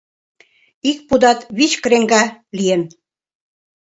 Ик пудат вич креҥга лийын.